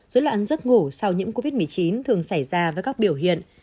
dối loạn giấc ngủ sau nhiễm covid một mươi chín thường xảy ra với các biểu hiện